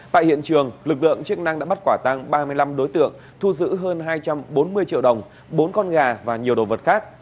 tại hiện trường lực lượng chức năng đã bắt quả tăng ba mươi năm đối tượng thu giữ hơn hai trăm bốn mươi triệu đồng bốn con gà và nhiều đồ vật khác